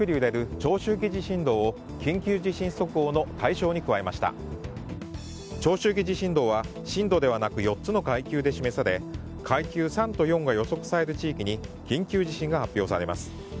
長周期地震動は震度ではなく４つの階級で示され階級３と４が予測される地域に緊急地震が発表されます。